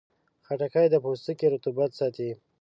خټکی د پوستکي رطوبت ساتي.